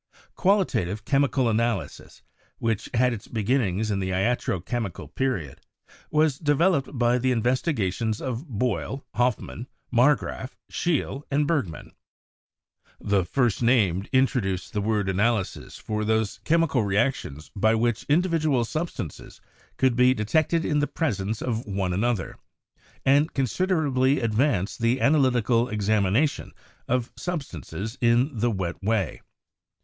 Qualitative chemical analysis, which had its beginnings in the iatro chemical period, was developed by the investi gations of Boyle, Hoffmann, Marggraf, Scheele and Berg man. The first named introduced the word "analysis" for those chemical reactions by which individual substances could be detected in the presence of one another, and con siderably advanced the analytical examination of sub stances in the wet way.